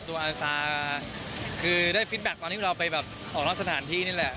อาซาคือได้ฟิตแบ็คตอนที่เราไปแบบออกนอกสถานที่นี่แหละ